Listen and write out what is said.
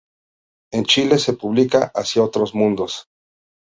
En Chile, se publica "Hacia otros mundos".